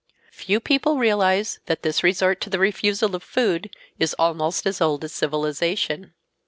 Few people realize that this resort to the refusal of food is almost as old as civilization.